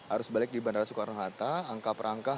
arus balik di bandara soekarno hatta